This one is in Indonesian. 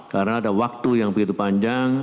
karena ada waktu yang begitu panjang